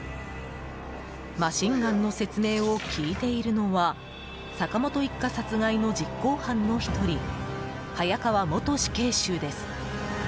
マシンガンの説明を聞いているのは坂本一家殺害の実行犯の１人早川元死刑囚です。